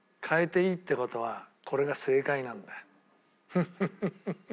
フフフフ。